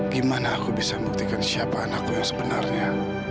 gimana aku bisa membuktikan siapa anakku yang sebenarnya